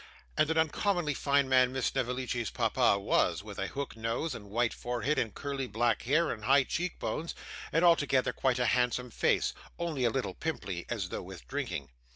And an uncommonly fine man Miss Snevellicci's papa was, with a hook nose, and a white forehead, and curly black hair, and high cheek bones, and altogether quite a handsome face, only a little pimply as though with drinking.